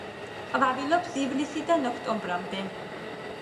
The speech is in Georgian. ყვავილობს ივლისიდან ოქტომბრამდე.